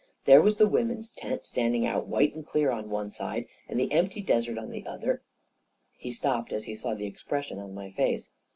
There was the women's tent standing out white and clear on one side, and the empty desert on the other ..." He stopped as he saw the expression on my face.